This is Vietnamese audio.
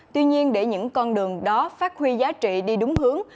tuy nhiên để những con đường đó phát huy giá trị đi đúng hướng